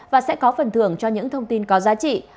và sẽ có phần thưởng cho những thông tin có giá trị